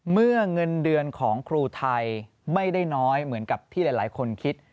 เงินเดือนของครูไทยไม่ได้น้อยเหมือนกับที่หลายคนคิด